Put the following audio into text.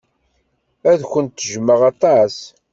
Ad kent-jjmeɣ aṭas.